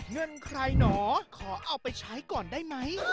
เงินใครหนอขอเอาไปใช้ก่อนได้ไหม